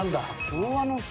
昭和の日。